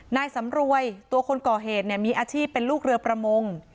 นายสำรวยตัวคนก่อเหตุมีอาชีพเป็นลูกเรือประมง